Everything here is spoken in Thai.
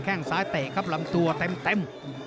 แค่งซ้ายเตะครับลำตัวเต็ม